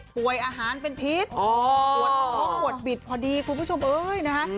ป่วยอาหารเป็นพิษอ๋อโหโหโหดบิดพอดีคุณผู้ชมเอ้ยนะฮะ